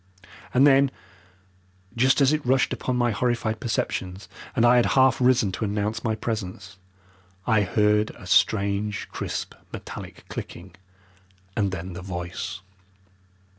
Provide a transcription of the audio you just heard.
And then, just as it rushed upon my horrified perceptions, and I had half risen to announce my presence, I heard a strange, crisp, metallic clicking, and then the voice.